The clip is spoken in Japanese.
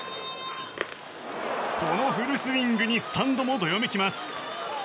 このフルスイングにスタンドもどよめきます。